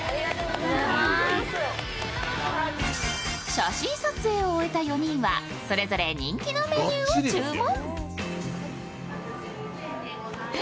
写真撮影を終えた４人はそれぞれ人気のメニューを注文。